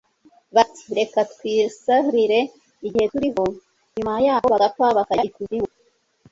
bati reka twisarire igihe tukiriho; nyuma yaho bagapfa bakajya ikuzimu